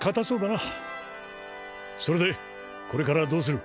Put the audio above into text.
なそれでこれからどうする？